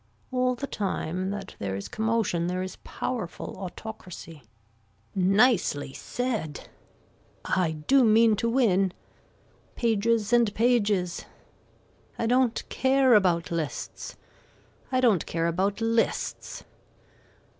All the time that there is commotion there is powerful autocracy. Nicely said. I do mean to win. Pages and pages. I don't care about lists. I don't care about lists.